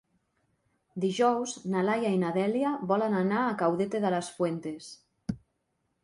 Dijous na Laia i na Dèlia volen anar a Caudete de las Fuentes.